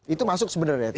itu masuk sebenarnya tuh